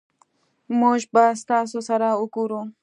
مونږ به ستاسو سره اوګورو